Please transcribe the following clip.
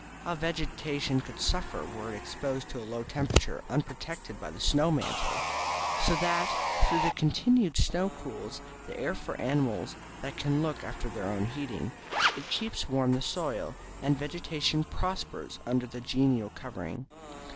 How vegetation would suffer, were it exposed to a low temperature, unprotected by the snow mantle! So that, though the continued snow cools the air for animals that can look after their own heating, it keeps warm the soil; and vegetation prospers under the genial covering.